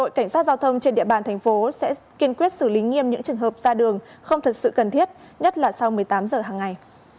cảnh sát giao thông trên địa bàn tp hcm sẽ kiên quyết xử lý nghiêm những trường hợp ra đường không thực sự cần thiết nhất là sau một mươi tám h hàng ngày